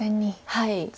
はい。